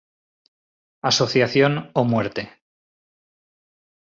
Asociación o muerte.